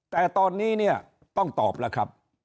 แต่ตอนนี้เนี่ยต้องตอบแล้วครับ